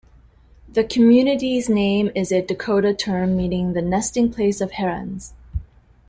The community's name is a Dakota term meaning the nesting place of herons.